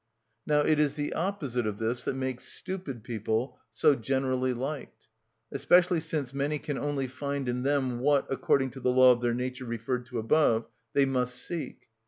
Now it is the opposite of this that makes stupid people so generally liked; especially since many can only find in them what, according to the law of their nature referred to above, they must seek.